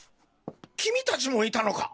君たちもいたのか。